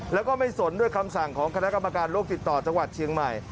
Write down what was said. แล้วก็ไม่สนด้วยคำสั่งของคณะกรรมการโลกติดต่อจังหวัดเชียงใหม่